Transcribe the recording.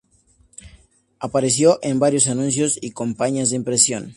Apareció en varios anuncios y campañas de impresión.